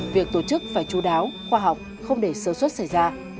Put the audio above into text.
việc tổ chức phải chú đáo khoa học không để sơ suất xảy ra